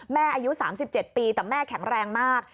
อายุ๓๗ปีแต่แม่แข็งแรงมาก